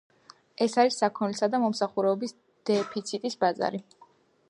ეს არის საქონლისა და მომსახურების დეფიციტის ბაზარი.